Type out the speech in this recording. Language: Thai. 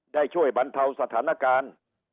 ได้ช่วยบรรเทาสถานการณ์